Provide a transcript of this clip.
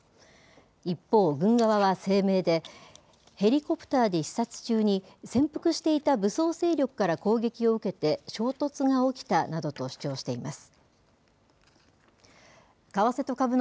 一方、軍側は声明で、ヘリコプターで視察中に潜伏していた武装勢力から攻撃を受けて衝突が起きたなどと主張しています。